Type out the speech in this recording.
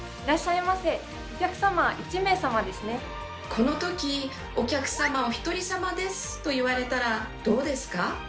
この時「お客様お１人様です」と言われたらどうですか？